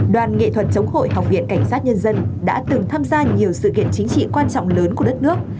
đoàn nghệ thuật chống hội học viện cảnh sát nhân dân đã từng tham gia nhiều sự kiện chính trị quan trọng lớn của đất nước